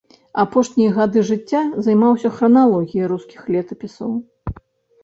Апошнія гады жыцця займаўся храналогіяй рускіх летапісаў.